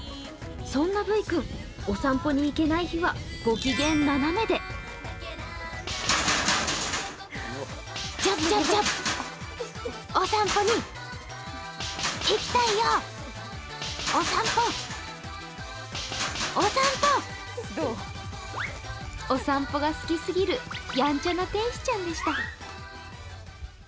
そんなブイ君、お散歩に行けない日はご機嫌ななめでお散歩が好きすぎるやんちゃな天使ちゃんでした。